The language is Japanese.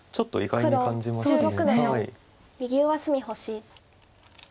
黒１６の四右上隅星。